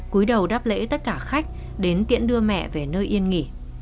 cuối đầu đáp lễ tất cả khách đến tiễn đưa mẹ về nơi yên nghỉ